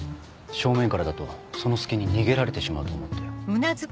正面からだとその隙に逃げられてしまうと思って。